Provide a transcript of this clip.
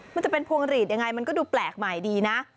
มันจะเป็นพวงหลีดยังไงมันก็ดูแปลกใหม่ดีนะ